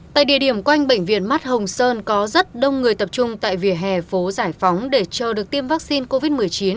tại địa điểm quanh bệnh viện mắt hồng sơn có rất đông người tập trung tại vỉa hè phố giải phóng để chờ được tiêm vaccine covid một mươi chín